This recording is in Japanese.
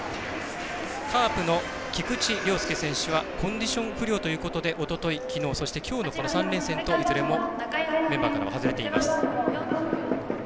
カープの菊池涼介選手はコンディション不良ということでおととい、きのうそして、きょうの３連戦といずれもメンバーからは外れています。